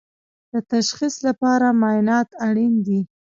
د تشخیص لپاره معاینات اړین دي